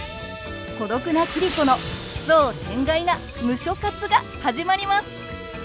孤独な桐子の奇想天外な「ムショ活」が始まります！